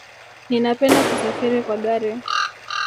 Ninapenda kusafiri kwa gari